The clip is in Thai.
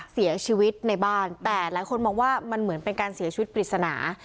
เสียชีวิตในบ้านแต่หลายคนมองว่ามันเหมือนเป็นการเสียชีวิตปริศนา